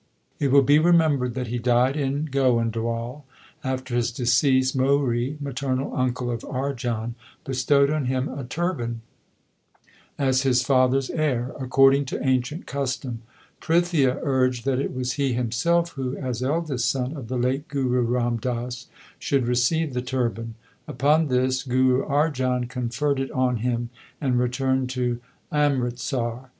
It will be remembered that he died in Goindwal. After his decease, Mohri, maternal uncle of Arjan, bestowed on him a turban as his father s heir, according to ancient custom. Prithia urged that it was he himself who, as eldest son of the late Guru Ram Das, should receive the turban. Upon this Guru Arjan conferred it on him and returned to Amritsar.